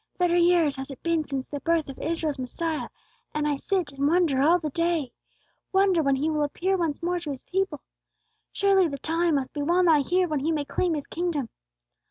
"Thirty years has it been since the birth of Israel's Messiah; and I sit and wonder all the day, wonder when He will appear once more to His people. Surely the time must be well nigh here when He may claim His kingdom.